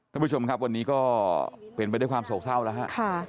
ท่านผู้ชมครับวันนี้ก็เป็นไปด้วยความโศกเศร้าแล้วฮะ